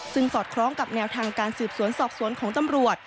ซึ่งสอดคล้องกับแนวทางการสืบสวนสอบสวนของตำรวจ